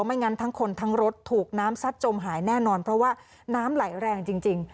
ไม่งั้นทั้งคนทั้งรถถูกน้ำซัดจมหายแน่นอนเพราะว่าน้ำไหลแรงจริง